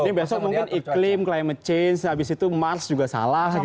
besok mungkin iklim climate change abis itu mars juga salah